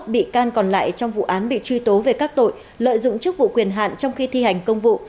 một mươi bị can còn lại trong vụ án bị truy tố về các tội lợi dụng chức vụ quyền hạn trong khi thi hành công vụ